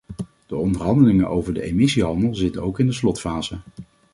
De onderhandelingen over de emissiehandel zitten ook in de slotfase.